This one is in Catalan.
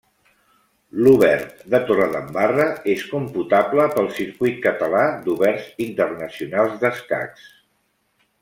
L'Obert de Torredembarra és computable pel Circuit Català d'Oberts Internacionals d'Escacs.